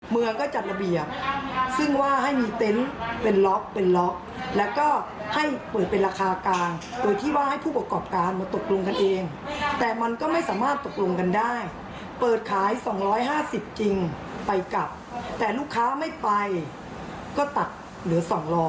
เมืองก็จัดระเบียบซึ่งว่าให้มีเต็นต์เป็นล็อกเป็นล็อกแล้วก็ให้เปิดเป็นราคากลางโดยที่ว่าให้ผู้ประกอบการมาตกลงกันเองแต่มันก็ไม่สามารถตกลงกันได้เปิดขาย๒๕๐จริงไปกลับแต่ลูกค้าไม่ไปก็ตัดเหลือ๒๐๐